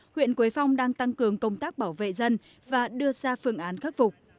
huyện quế phong đang tăng cường công tác bảo vệ dân và đưa ra phương án khắc phục